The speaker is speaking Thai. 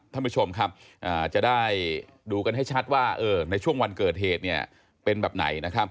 ท่านผู้ชมครับจะได้ดูกันให้ชัดว่าในช่วงวันเกิดเหตุเนี่ยเป็นแบบไหนนะครับ